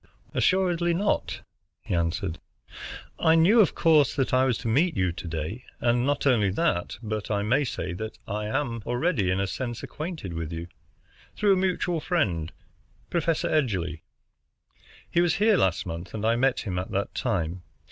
"Assuredly not," he answered. "I knew, of course, that I was to meet you to day. And not only that, but I may say I am already in a sense acquainted with you, through a mutual friend, Professor Edgerly. He was here last month, and I met him at that time.